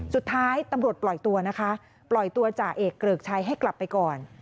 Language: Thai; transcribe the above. สุดท้ายตำรวจปล่อยตัวจ่าเอกเกริกชัยให้กลับไปก่อน